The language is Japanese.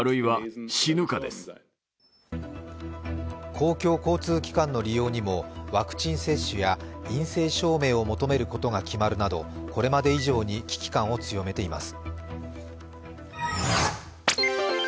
公共交通機関の利用にも、ワクチン接種や陰性証明を求めることが決まるなど、これまで以上に危機感を強めています。